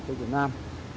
tây tiểu nam